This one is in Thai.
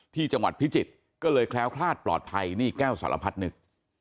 ที่จังหวัดพิจิตรก็เลยแคล้วคลาดปลอดภัยนี่แก้วสารพัดนึก